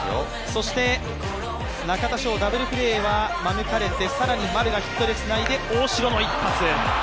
そして、中田翔、ダブルプレーは免れて更に丸がヒットでつないで、大城の一発。